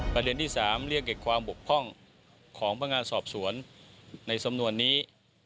ประเด็นที่๓เรียกเก็บความบกพร่องของพนักงานสอบสวนในสำนวนนี้